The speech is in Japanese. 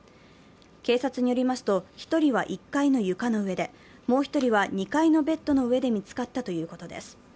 警察によりますと１人は１階の床の上で、もう１人は２階のベッドで見つかったということです。